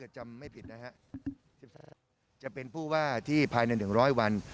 จะเป็นผู้ว่าที่ภายใน๑๐๐วัน